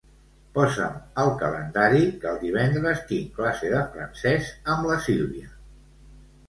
Posa'm al calendari que el divendres tinc classe de francès amb la Sílvia.